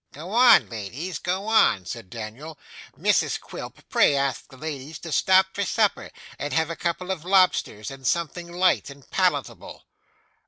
'Go on, ladies, go on,' said Daniel. 'Mrs Quilp, pray ask the ladies to stop to supper, and have a couple of lobsters and something light and palatable.